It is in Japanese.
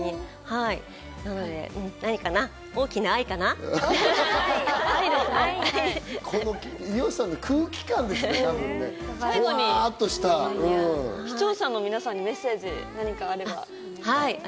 この伊代さんの空気感ですね、視聴者の皆さんにメッセージ、何かあれば。